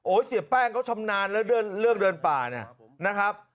เสียแป้งเขาชำนาญแล้วเลือกเดินป่าเนี่ยนะครับ